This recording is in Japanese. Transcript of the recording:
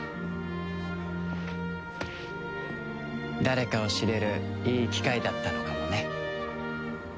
誰かを知れるいい機会だったのかもね。